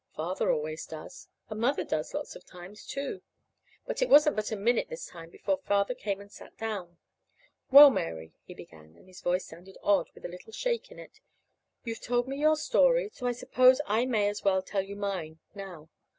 Father always does; and Mother does lots of times, too.) But it wasn't but a minute this time before Father came and sat down. "Well, Mary," he began; and his voice sounded odd, with a little shake in it. "You've told me your story, so I suppose I may as well tell you mine now.